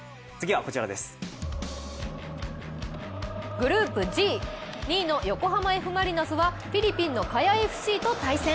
グループＧ、２位の横浜Ｆ・マリノスはフィリピンのカヤＦＣと対戦。